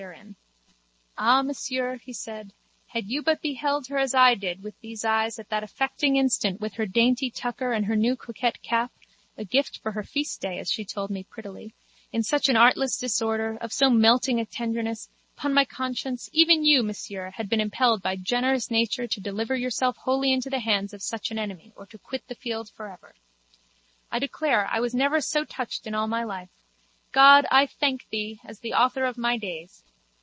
Gazing upon those features with a world of tenderness, Ah, Monsieur, he said, had you but beheld her as I did with these eyes at that affecting instant with her dainty tucker and her new coquette cap (a gift for her feastday as she told me prettily) in such an artless disorder, of so melting a tenderness, 'pon my conscience, even you, Monsieur, had been impelled by generous nature to deliver yourself wholly into the hands of such an enemy or to quit the field for ever. I declare, I was never so touched in all my life. God, I thank thee, as the Author of my days!